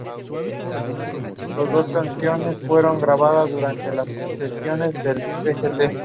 Recientemente se ha habilitado un campo de fútbol sala delante del frontón.